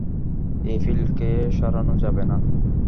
এই ফিল্ডকে সারানো যাবে না?